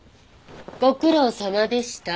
ご苦労さまでした。